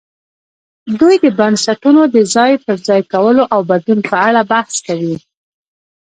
دوی د بنسټونو د ځای پر ځای کولو او بدلون په اړه بحث کوي.